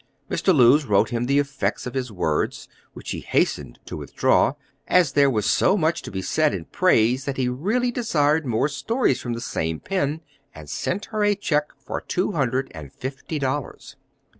Mr. Lewes wrote him the effects of his words, which he hastened to withdraw, as there was so much to be said in praise that he really desired more stories from the same pen, and sent her a check for two hundred and fifty dollars.